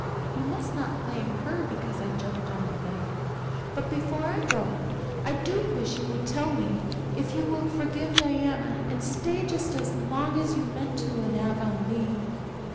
You must not blame her because I jumped on the bed. But before I go I do wish you would tell me if you will forgive Diana and stay just as long as you meant to in Avonlea."